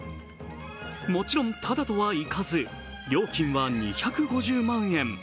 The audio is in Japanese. もちろん、ただとはいかず料金は２５０万円。